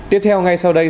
tiếp theo ngay sau đây